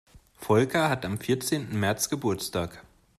Volker hat am vierzehnten März Geburtstag.